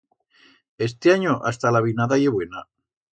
Estianyo hasta la vinada ye buena.